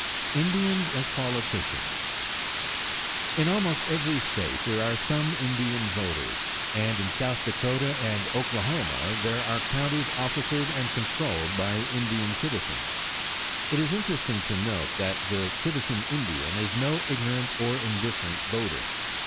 INDIANS AS POLITICIANS In almost every state there are some Indian voters, and in South Dakota and Oklahoma there are counties officered and controlled by Indian citizens. It is interesting to note that the citizen Indian is no ignorant or indifferent voter.